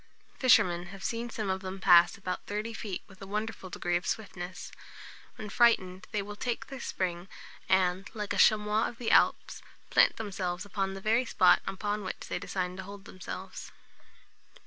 Fishermen have seen some of them pass about thirty feet with a wonderful degree of swiftness. When frightened, they will take their spring, and, like a chamois of the Alps, plant themselves upon the very spot upon which they designed to hold themselves.